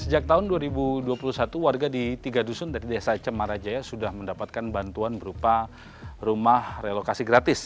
sejak tahun dua ribu dua puluh satu warga di tiga dusun dari desa cemarajaya sudah mendapatkan bantuan berupa rumah relokasi gratis